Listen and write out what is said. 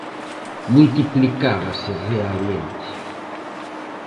Multiplicábase, realmente.